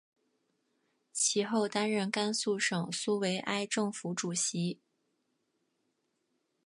其后担任甘肃省苏维埃政府主席。